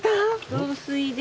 雑炊です。